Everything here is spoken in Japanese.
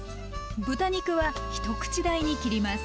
豚肉は一口大に切ります。